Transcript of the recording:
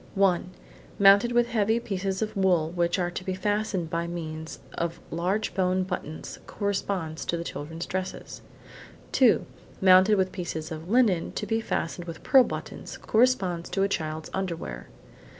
One: mounted with heavy pieces of wool which are to be fastened by means of large bone buttons–corresponds to children's dresses. Two: mounted with pieces of linen to be fastened with pearl buttons–corresponds to a child's underwear.